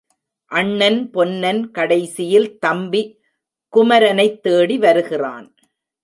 அண்ணன் பொன்னன் கடைசியில் தம்பி குமரனைத் தேடிவருகிறான்.